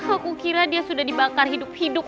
aku kira dia sudah dibakar hidup hidup